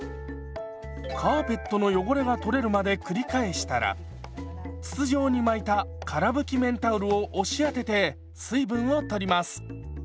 カーペットの汚れが取れるまで繰り返したら筒状に巻いたから拭き綿タオルを押し当てて水分を取ります。